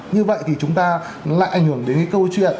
như vậy thì chúng ta lại ảnh hưởng đến cái câu chuyện